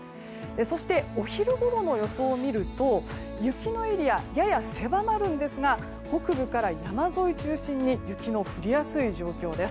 そして、お昼ごろの予想を見ると雪のエリアやや狭まるんですが北部から山沿い中心に雪の降りやすい状況です。